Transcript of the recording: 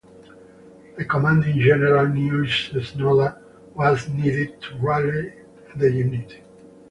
The commanding general knew Cesnola was needed to rally the unit.